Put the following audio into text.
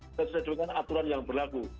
kita sudah jadikan aturan yang berlaku